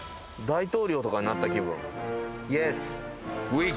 大統領とかになった気分。